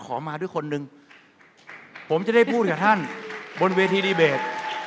มาด้วยคนหนึ่งผมจะได้พูดกับท่านบนเวทีดีเบต